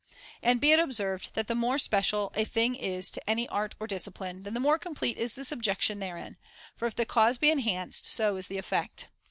And be it observed that the more special [iioj a thing is to any art or discipline, the more complete is the subjection therein ; for if the cause be enhanced, so is the effect.